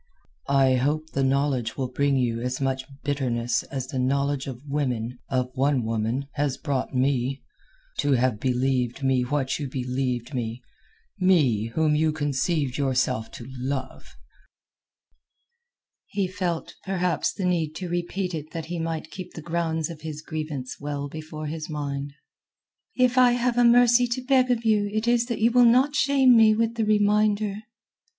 "I hope the knowledge will bring you as much bitterness as the knowledge of women—of one woman—has brought me. To have believed me what you believed me—me whom you conceived yourself to love!" He felt, perhaps the need to repeat it that he might keep the grounds of his grievance well before his mind. "If I have a mercy to beg of you it is that you will not shame me with the reminder."